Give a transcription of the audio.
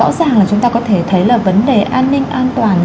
rõ ràng là chúng ta có thể thấy là vấn đề an ninh an toàn